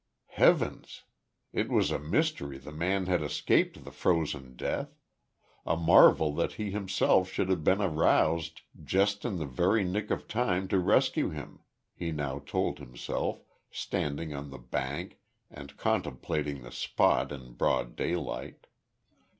Heavens! it was a mystery the man had escaped the frozen death a marvel that he himself should have been aroused just in the very nick of time to rescue him he now told himself standing on the bank and contemplating the spot in broad daylight.